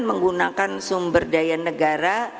menggunakan sumber daya negara